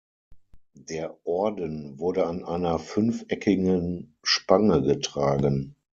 Der Orden wurde an einer fünfeckigen Spange getragen.